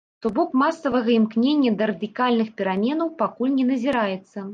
То бок масавага імкнення да радыкальных пераменаў пакуль не назіраецца.